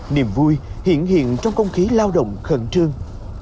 niềm vui hiện hiện trong không khí lao động khẩn trương